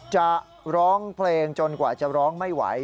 จะร้องเพลงจนกว่าจะร้องไม่ไหว